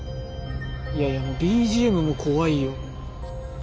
いやいやもうＢＧＭも怖いよ。